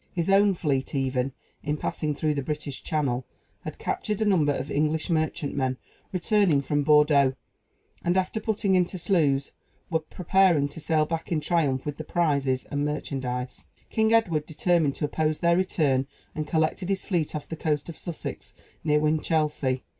His own fleet even, in passing through the British Channel, had captured a number of English merchantmen, returning from Bordeaux, and after putting into Sluys, were preparing to sail back in triumph with the prizes and merchandise. King Edward determined to oppose their return, and collected his fleet off the coast of Sussex, near Winchelsea.